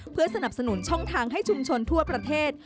เพื่อสนับสนุนช่องทางให้ชุมชนทั่วประเทศ